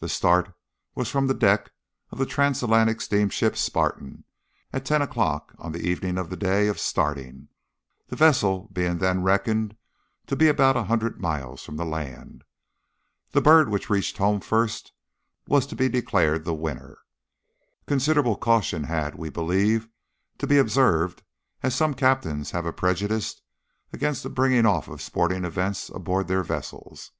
The start was from the deck of the Transatlantic steamship Spartan, at ten o'clock on the evening of the day of starting, the vessel being then reckoned to be about a hundred miles from the land. The bird which reached home first was to be declared the winner. Considerable caution had, we believe, to be observed, as some captains have a prejudice against the bringing off of sporting events aboard their vessels.